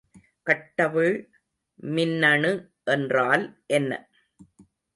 கட்டவிழ் மின்னணு என்றால் என்ன?